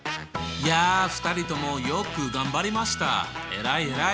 いや２人ともよく頑張りました。